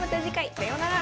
さようなら。